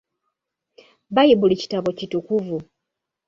Bbayibuli kitabo kitukuvu.